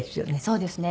そうですね。